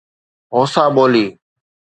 Hausa ٻولي